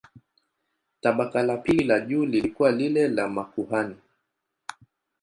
Tabaka la pili la juu lilikuwa lile la makuhani.